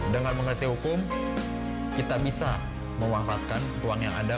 dengan mengerti hukum kita bisa memanfaatkan ruang yang ada